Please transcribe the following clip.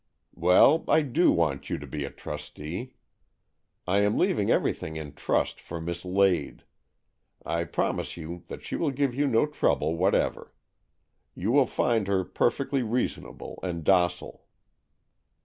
"Well, I do want you to be a trustee. I am leaving everything in trust for Miss Lade. I promise you that she will give you no trouble whatever. You will find her per fectly reasonable and docile."